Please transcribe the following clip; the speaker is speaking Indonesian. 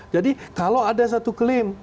jadi kalau ada satu klaim